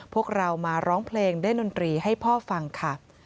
พวกเรามาร้องเพลงเล่นดนตรีให้พ่อฟังค่ะ